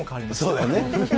そうだよね。